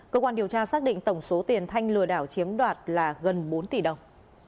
cơ quan điều tra xác định tổng số tiền thanh lừa đảo chiếm đoạt là gần bốn tỷ đồng